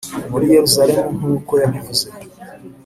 muri Yerusalemu nkuko yabivuze